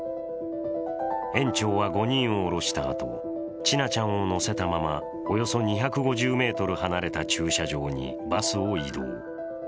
園長は、５人を降ろしたあと千奈ちゃんを乗せたままおよそ２５０ｍ離れた駐車場にバスを移動。